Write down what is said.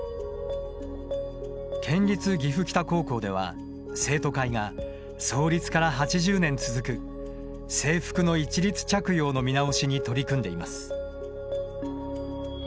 県立岐阜北高校では、生徒会が創立から８０年続く制服の一律着用の見直しに取り組んでいます。